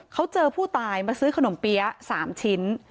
เขาเจอผู้ตายมาซื้อขนมเปี๊ยะ๓ชิ้น